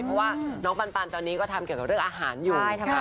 เพราะว่าน้องปันตอนนี้ก็ทำเกี่ยวกับเรื่องอาหารอยู่